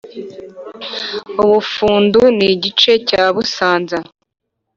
u bufundu n'igice cya busanza.